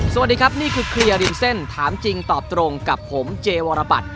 สวัสดีครับนี่คือเคลียร์ริมเส้นถามจริงตอบตรงกับผมเจวรบัตร